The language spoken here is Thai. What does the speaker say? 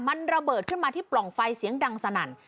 มันระเบิดขึ้นมาที่ปล่องไฟเสียงดังสนั่น